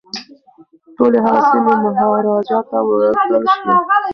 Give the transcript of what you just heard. ټولي هغه سیمي مهاراجا ته ورکړل شوې.